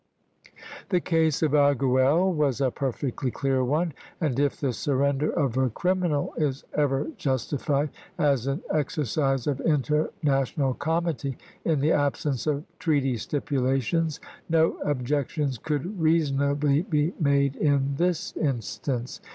The case of Arguelles was a perfectly clear one ; and if the surrender of a criminal is ever justified as an exercise of international comity in the ab sence of treaty stipulations, no objections could reasonably be made in this instance.